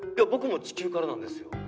僕も地球からなんですよ。